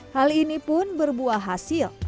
hal ini pun berbuah hasil